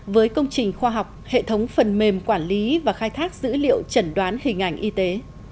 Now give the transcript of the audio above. với công trình khoa học hệ thống phần mềm quản lý và khai thác dữ liệu trần đoán hình ảnh y tế